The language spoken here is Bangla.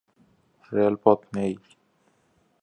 রেল পথ নেই।